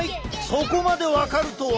そこまで分かるとは！